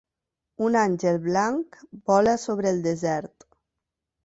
Un àngel blanc vola sobre el desert.